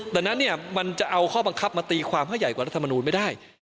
ดังนั้นเนี่ยมันจะเอาข้อบังคับมาตีความให้ใหญ่กว่ารัฐมนูลไม่ได้